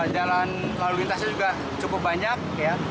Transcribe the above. jalan lalu lintasnya juga cukup banyak